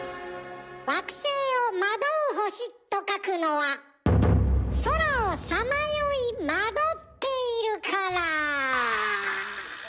惑星を「惑う星」と書くのは空をさまよい惑っているから。